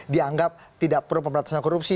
dianggap tidak pro pemberantasan korupsi